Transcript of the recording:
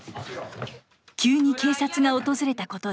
急に警察が訪れたことで。